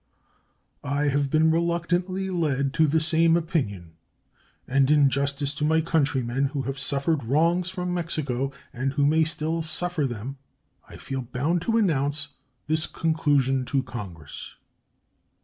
I have been reluctantly led to the same opinion, and in justice to my countrymen who have suffered wrongs from Mexico and who may still suffer them I feel bound to announce this conclusion to Congress.